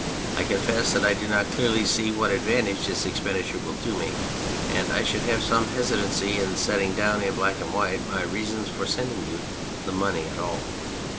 I confess that I do not clearly see what advantage this expenditure Avill do me, and I should have some hesitancy in setting down in black and white my reasons for sending you the money at all.